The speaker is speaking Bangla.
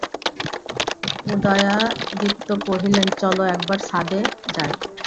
উদয়াদিত্য কহিলেন, চলো একবার ছাদে যাই।